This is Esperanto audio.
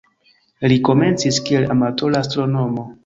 Li komencis kiel amatora astronomo.